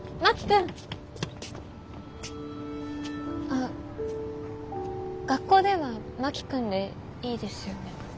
あ学校では真木君でいいですよね？